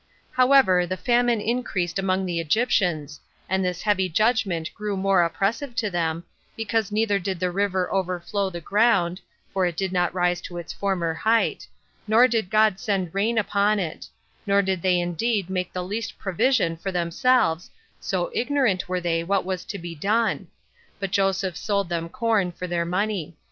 7. However, the famine increased among the Egyptians, and this heavy judgment grew more oppressive to them, because neither did the river overflow the ground, for it did not rise to its former height, nor did God send rain upon it; 13 nor did they indeed make the least provision for themselves, so ignorant were they what was to be done; but Joseph sold them corn for their money.